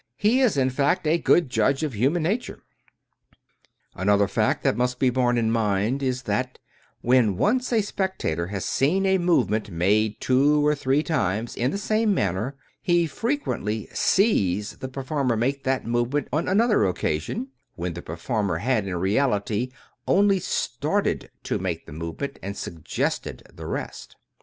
He is, in fact, a good judge of human nature. Another fact that must be borne in mind is that, when once a spectator has seen a movement made two or three times in the same manner, he frequently " sees " the per former make that movement on another occasion, when the 282 Hereward Carrington performer had, in reality, only started to make the move ment, and suggested the rest.